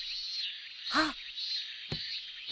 あっ！